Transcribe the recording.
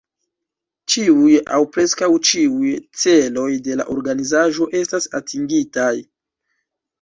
Ĉiuj aŭ preskaŭ ĉiuj celoj de la organizaĵo estas atingitaj.